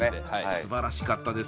すばらしかったです。